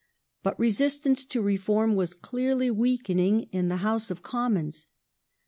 But resistance to reform m the House of was clearly weakening in the House of Commons.